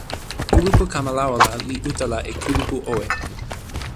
kulupu kamalawala li utala e kulupu owe.